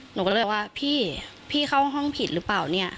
หนูก็เลยว่าพี่เข้าห้องผิดหรือเปล่า